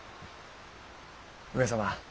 上様。